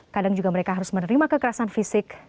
kadang juga mereka harus menerima kekerasan fisik